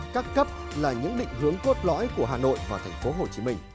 các cấp là những định hướng cốt lõi của hà nội và tp hcm